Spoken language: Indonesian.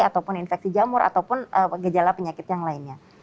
ataupun infeksi jamur ataupun gejala penyakit yang lainnya